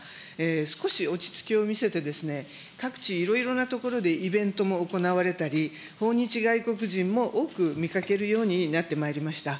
少し落ち着きを見せてですね、各地、いろいろなところでイベントも行われたり、訪日外国人も多く見かけるようになってまいりました。